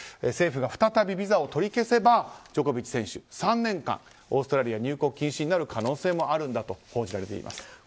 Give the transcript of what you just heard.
政府が再びビザを取り消せばジョコビッチ選手、３年間オーストラリア入国禁止になる可能性もあるんだと報じられています。